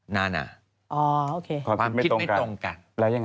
นาน่ะความคิดไม่ตรงกัน